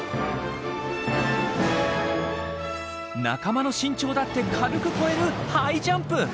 仲間の身長だって軽く超えるハイジャンプ。